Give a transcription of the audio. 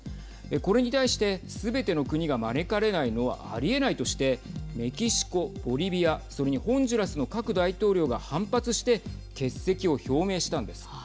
これに対してすべての国が招かれないのはありえないとしてメキシコ、ボリビア、それにホンジュラスの各大統領が反発して欠席を表明したんです。